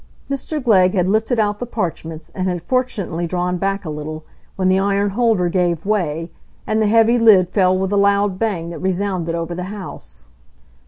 Mr Glegg had lifted out the parchments, and had fortunately drawn back a little, when the iron holder gave way, and the heavy lid fell with a loud bang that resounded over the house.